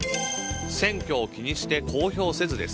選挙を気にして公表せず？です。